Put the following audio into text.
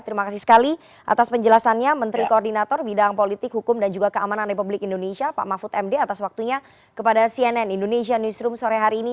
terima kasih sekali atas penjelasannya menteri koordinator bidang politik hukum dan juga keamanan republik indonesia pak mahfud md atas waktunya kepada cnn indonesia newsroom sore hari ini